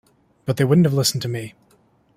But they wouldn’t have listened to me.